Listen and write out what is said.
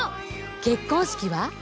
結婚式は？